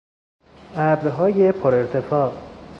ابرهای پرارتفاع